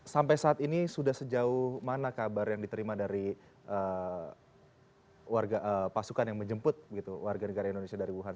sampai saat ini sudah sejauh mana kabar yang diterima dari pasukan yang menjemput warga negara indonesia dari wuhan